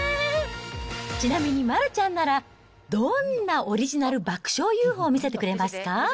ちなみに丸ちゃんなら、どんなオリジナル爆笑ＵＦＯ見せてくれますか？